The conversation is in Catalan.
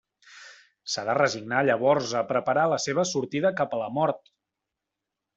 S'ha de resignar llavors a preparar la seva sortida cap a la mort.